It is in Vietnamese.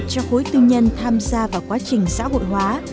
cho khối tư nhân tham gia vào quá trình xã hội hóa